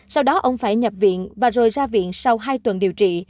sau đó ông phải nhập viện và rồi ra viện sau hai tuần điều trị